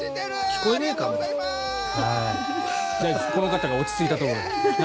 この方が落ち着いたところで。